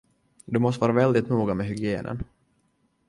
Du måste vara väldigt noga med hygienen.